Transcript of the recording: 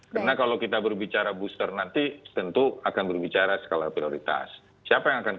karena kalau kita berbicara booster nanti tentu akan berbicara sekalian